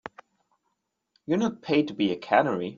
You're not paid to be a canary.